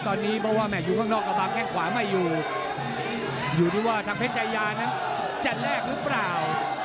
ตอนนี้เพราะว่าแม่อยู่ข้างนอกกระบังแข้งขวาไม่อยู่อยู่ที่ว่าทางเพชรชายานั้นจะแลกหรือเปล่า